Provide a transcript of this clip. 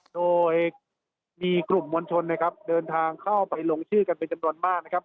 โดยมีกลุ่มมวลชนนะครับเดินทางเข้าไปลงชื่อกันเป็นจำนวนมากนะครับ